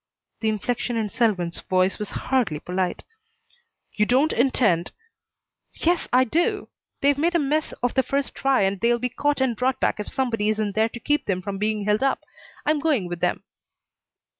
The inflection in Selwyn's voice was hardly polite. "You don't intend " "Yes, I do. They've made a mess of the first try and they'll be caught and brought back if somebody isn't there to keep them from being held up. I'm going with them."